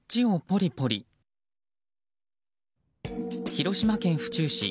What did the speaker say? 広島県府中市。